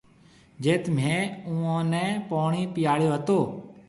جيٿ مهيَ اُوئون نَي پوڻِي پِياڙيو هتو۔